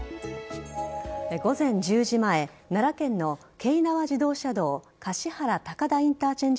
午前１０時前、奈良県の京奈和自動車道橿原高田インターチェンジ